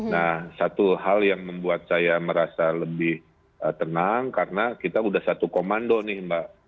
nah satu hal yang membuat saya merasa lebih tenang karena kita sudah satu komando nih mbak